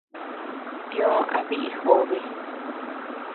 Tio a biʼi jobe.